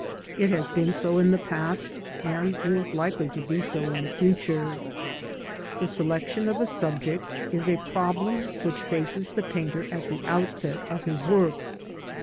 It has been so in the past, and is likely to be so in the future. The selection of a subject is a problem which faces the painter at the outset of his work.